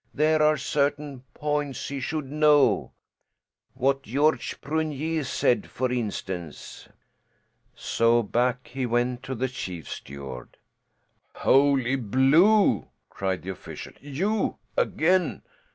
"There are certain points he should know. What Georges Prunier said, for instance." So back he went to the chief steward. "Holy Blue!" cried that official. "You? Again?